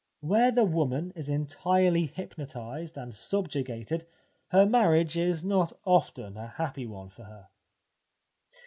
Where the woman is entirely hypnotised and sub jugated her marriage is not often a happy one for her.